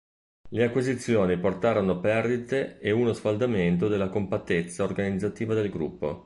Le acquisizioni portarono perdite e uno sfaldamento della compattezza organizzativa del gruppo.